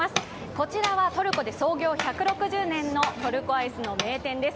こちらはトルコで創業１６０年のトルコアイスの名店です。